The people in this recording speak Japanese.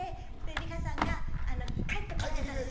リカさんが帰ってこられたんです。